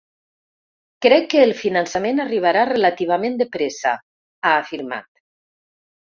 “Crec que el finançament arribarà relativament de pressa”, ha afirmat.